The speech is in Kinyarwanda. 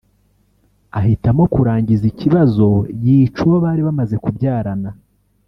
ahitamo kurangiza ikibazo yica uwo bari bamaze kubyarana